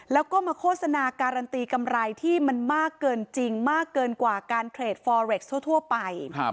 แล้วก็มาโฆษณาการันตีกำไรที่มันมากเกินจริงมากเกินกว่าการเทรดฟอเรคทั่วไป